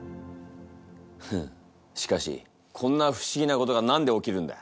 フンッしかしこんな不思議なことが何で起きるんだ？